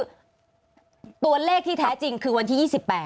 คือตัวเลขที่แท้จริงคือวันที่๒๘